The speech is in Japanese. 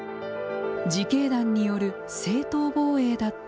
自警団による正当防衛だった。